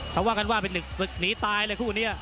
เขาว่ากันว่าเป็นศึกหนีตายเลยคู่นี้